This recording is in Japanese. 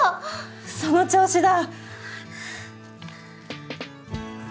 その調子だ。